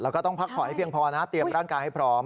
แล้วก็ต้องพักถอยให้เตรียมร่างกายให้พร้อม